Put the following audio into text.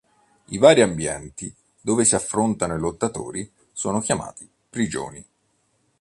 I vari ambienti dove si affrontano i lottatori sono chiamati "Prigioni".